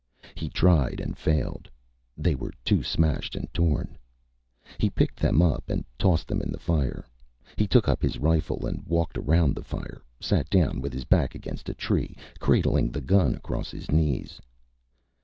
He tried and failed. They were too smashed and torn. He picked them up and tossed them in the fire. He took up his rifle and walked around the fire, sat down with his back against a tree, cradling the gun across his knees.